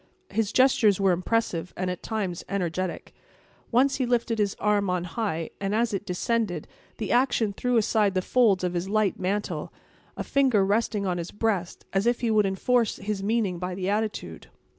His gestures were impressive, and at times energetic. Once he lifted his arm on high; and, as it descended, the action threw aside the folds of his light mantle, a finger resting on his breast, as if he would enforce his meaning by the attitude.